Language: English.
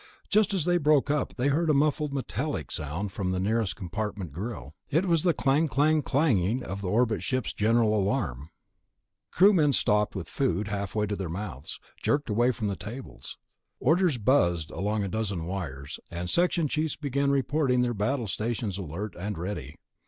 Just as they broke up, they heard a muffled metallic sound from the nearest compartment grill. It was the clang clang clang of the orbit ship's general alarm. Crewmen stopped with food halfway to their mouths, jerked away from tables. Orders buzzed along a dozen wires, and section chiefs began reporting their battle stations alert and ready.